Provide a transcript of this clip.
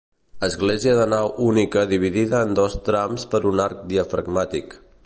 Església de nau única dividida en dos trams per un arc diafragmàtic.